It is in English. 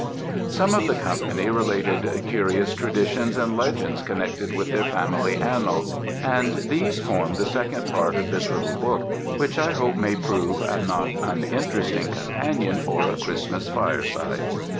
Some of the company related curious traditions and legends connected with their family annals; and these form the second part of this little book, which I hope may prove a not uninteresting companion for a Christmas fireside.